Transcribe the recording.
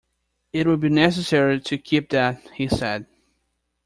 "It will be necessary to keep that," he said.